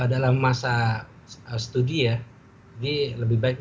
dalam masa studi ya ini lebih baik